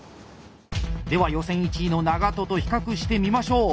では予選１位の長渡と比較してみましょう。